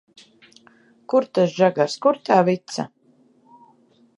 Kur tas žagars, kur tā vica?